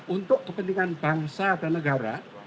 untuk kepentingan bangsa dan negara